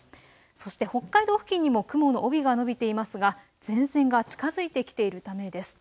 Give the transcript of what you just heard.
そして北海道付近にも雲の帯が延びていますが前線が近づいてきているためです。